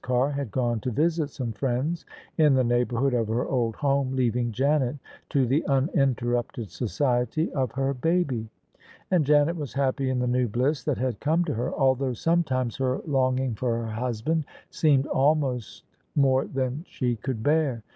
Carr had gone to visit some friends in the neighbourhood of her old home, leaving Janet to the uninterrupted society of her baby: and Janet was happy in the new bliss that had come to her, although sometimes her longing for her hus THE SUBJECTION OF ISABEL CARNABY band seemed almost more than she could bear.